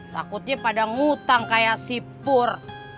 takutnya pada ngutang kayak sipur